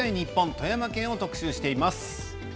富山県を特集しています。